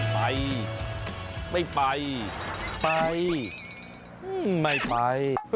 ไปไม่ไปไปไม่ไป